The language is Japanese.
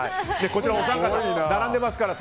こちらお三方並んでいますから。